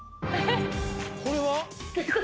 これは？